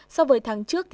so với tháng trước